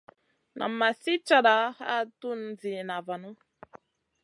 Nan ma sli cata a tun ziyna vanu.